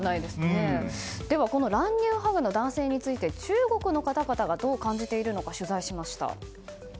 では、この乱入ハグの男性について中国の方々がどう感じているのか取材しました。